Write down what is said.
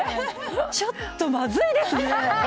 ちょっとまずいですね。